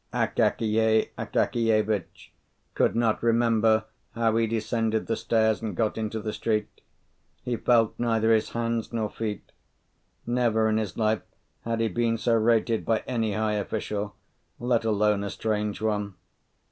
Akakiy Akakievitch could not remember how he descended the stairs and got into the street. He felt neither his hands nor feet. Never in his life had he been so rated by any high official, let alone a strange one.